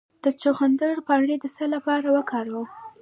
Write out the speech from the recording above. د چغندر پاڼې د څه لپاره وکاروم؟